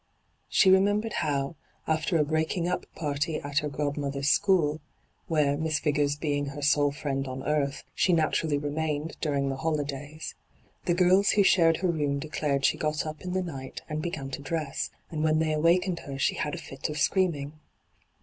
She remembered how, after a breaking up party at her godmother's school — where. Miss Vigors being her sole friend on earth, she naturally remained during the holidays — ^the girls who shared her room declared she got up in the night and began to dress, and when they awakened her she had a fit of screaming.